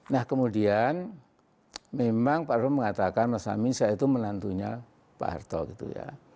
nah kemudian memang pak arsul mengatakan mas amin saya itu menantunya pak harto gitu ya